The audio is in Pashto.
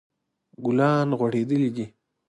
ګلان غوړیدلی دي